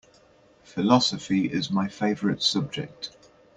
Philosophy is my favorite subject.